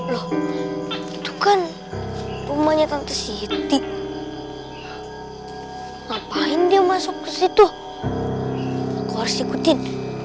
loh itu kan rumahnya tante siti ngapain dia masuk ke situ aku harus ikutin